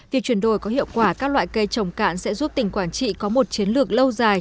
việc chuyển đổi có hiệu quả các loại cây trồng cạn sẽ giúp tỉnh quảng trị có một chiến lược lâu dài